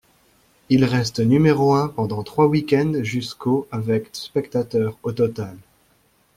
Il reste numéro un pendant trois week-end jusqu'au avec spectateurs au total.